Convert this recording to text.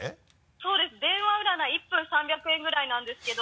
そうです電話占い１分３００円ぐらいなんですけど。